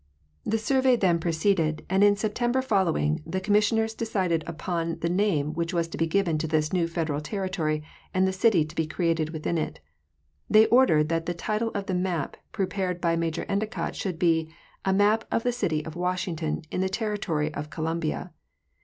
The survey then proceeded, and in Septem ber following the commissioners decided upon the name which was to be given to this new Federal territory and the city to be created within it. They ordered that the title of the map pre pared by Major Ellicott should be "A map of the city of Wash ington, in the Territory of Columbia."